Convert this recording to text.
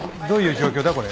どういう状況だ？